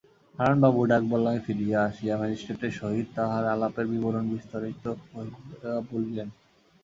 হারানবাবু ডাকবাংলায় ফিরিয়া আসিয়া ম্যাজিস্ট্রেটের সহিত তাঁহার আলাপের বিবরণ বিস্তারিত করিয়া বলিলেন।